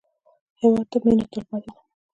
هېواد ته مېنه تلپاتې ده